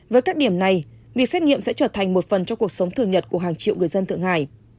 với các điểm này việc xét nghiệm sẽ trở thành một phần trong cuộc sống thường nhật của hàng triệu người dân thượng hải